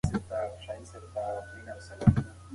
کرکه د کورنیو اړیکو لپاره زیانمنه ده.